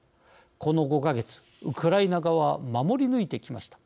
この５か月、ウクライナ側は守り抜いてきました。